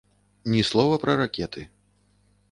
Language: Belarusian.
Ні слова пра ракеты.